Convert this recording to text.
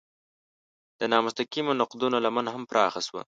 د نامستقیمو نقدونو لمن هم پراخه شوه.